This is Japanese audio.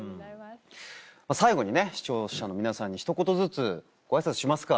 最後にね視聴者の皆さんにひと言ずつご挨拶しますか。